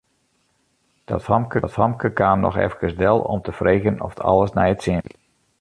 Dat famke kaam noch efkes del om te freegjen oft alles nei't sin wie.